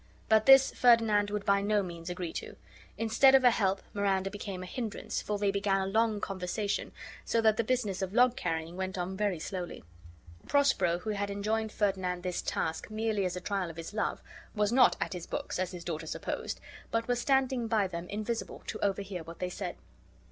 But this Ferdinand would by no means agree to. Instead of a help Miranda became a hindrance, for they began a long conversation, so that the business of log carrying went on very slowly. Prospero, who had enjoined Ferdinand this task merely as a trial of his love, was not at his books, as his daughter supposed, but was standing by them invisible, to overhear what they said.